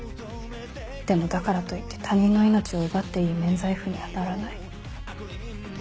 でもだからといって他人の命を奪っていい免罪符にはならない。